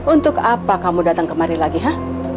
untuk apa kamu datang kemari lagi ya